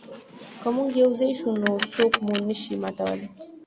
که موږ یو ځای شو نو څوک مو نه شي ماتولی.